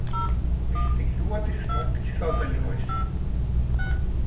Viss tik ļoti smuki sazaļojis.